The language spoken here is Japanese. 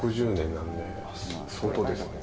もう相当ですね。